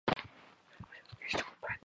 ის მიჩნეული იყო სიკვდილის ჯგუფად.